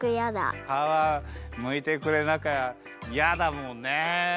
かわむいてくれなきゃやだもんねえ。